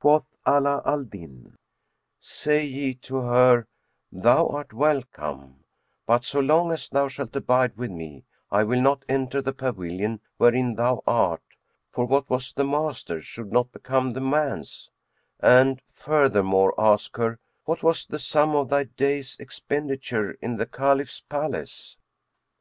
Quoth Ala al Din, "Say ye to her, 'Thou art welcome; but so long as thou shalt abide with me, I will not enter the pavilion wherein thou art, for what was the master's should not become the man's;' and furthermore ask her, 'What was the sum of thy day's expenditure in the Caliph's palace?'"